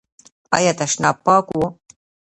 ایا تشناب پاک و؟